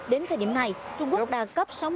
đến thời điểm này trung quốc đã cấp